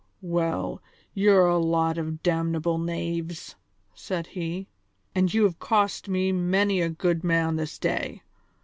"Well, you're a lot of damnable knaves," said he, "and you have cost me many a good man this day.